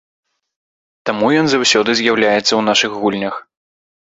Таму ён заўсёды з'яўляецца ў нашых гульнях.